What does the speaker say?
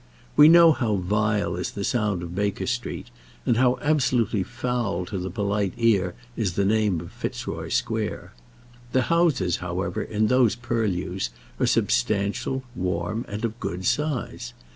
We know how vile is the sound of Baker Street, and how absolutely foul to the polite ear is the name of Fitzroy Square. The houses, however, in those purlieus are substantial, warm, and of good size.